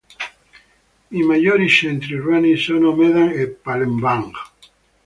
I maggiori centri urbani sono Medan e Palembang.